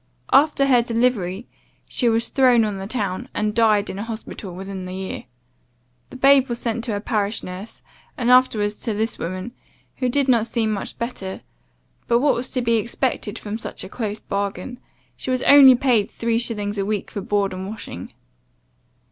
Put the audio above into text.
After her delivery, she was thrown on the town; and died in an hospital within the year. The babe was sent to a parish nurse, and afterwards to this woman, who did not seem much better; but what was to be expected from such a close bargain? She was only paid three shillings a week for board and washing.